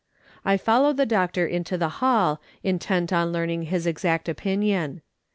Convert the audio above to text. I followed the doctor into the hall, intent on learning his exact opinion.